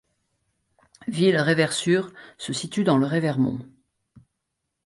Villereversure se situe dans le Revermont.